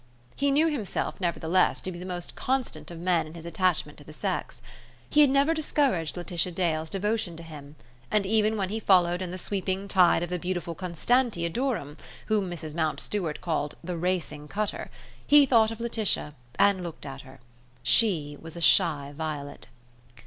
He knew himself, nevertheless, to be the most constant of men in his attachment to the sex. He had never discouraged Laetitia Dale's devotion to him, and even when he followed in the sweeping tide of the beautiful Constantia Durham (whom Mrs. Mountstuart called "The Racing Cutter"), he thought of Laetitia, and looked at her. She was a shy violet.